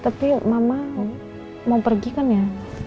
tapi mama mau pergi kan ya